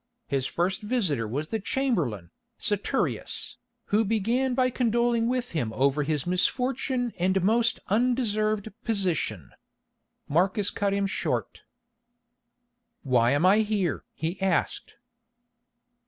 His first visitor was the chamberlain, Saturius, who began by condoling with him over his misfortune and most undeserved position. Marcus cut him short. "Why am I here?" he asked.